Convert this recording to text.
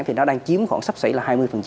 thì nó đang chiếm khoảng sắp xỉ là hai mươi